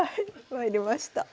参りました。